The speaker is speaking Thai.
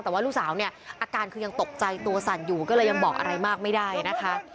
แต่ว่าลูกสาวเนี่ยอาการคือยังตกใจตัวสั่นอยู่ก็เลยยังบอกอะไรมากไม่ได้นะคะ